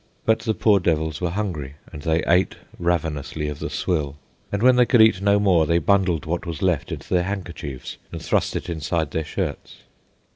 But the poor devils were hungry, and they ate ravenously of the swill, and when they could eat no more they bundled what was left into their handkerchiefs and thrust it inside their shirts.